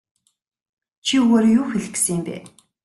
Чи үүгээрээ юу хэлэх гэсэн юм бэ?